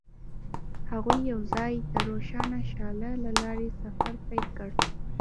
هغوی یوځای د روښانه شعله له لارې سفر پیل کړ.